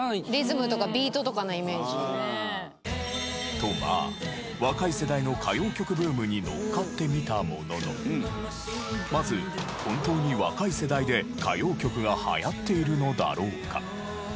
とまあ若い世代の歌謡曲ブームにのっかってみたもののまず本当に若い世代で歌謡曲が流行っているのだろうか？